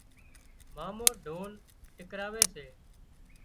مامو ڍول ٽِڪراوي سي